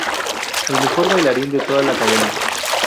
El mejor bailarín de toda la academia.